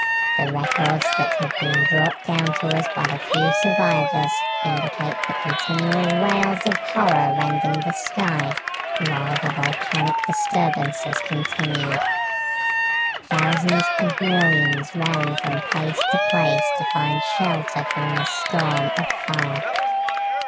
The records that have been brought down to us by the few survivors indicate the continual wails of horror rending the sky while the volcanic disturbances continued. Thousands and millions ran from place to place to find shelter from the storm of fire.